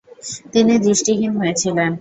তিনি দৃষ্টিহীন হয়েছিলেন।